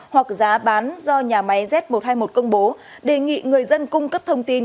hoặc giá bán do nhà máy z một trăm hai mươi một công bố đề nghị người dân cung cấp thông tin